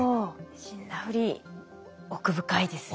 死んだふり奥深いですね。